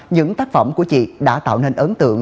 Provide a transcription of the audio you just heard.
những tác phẩm của chị đã tạo nên ấn tượng